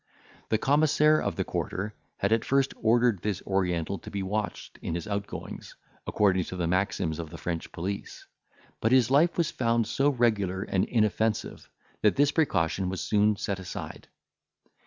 The commissaire of the quarter had at first ordered this Oriental to be watched in his outgoings, according to the maxims of the French police; but his life was found so regular and inoffensive, that this precaution was soon set aside.